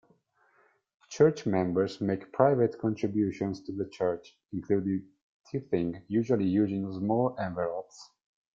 Church members make private contributions to the church, including tithing, usually using small envelopes.